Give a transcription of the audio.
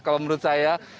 kalau menurut saya